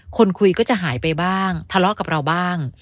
คนคุยก็จะหายไปบ้างทะเลาะกับเราบ้าง